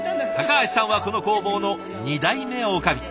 橋さんはこの工房の２代目女将。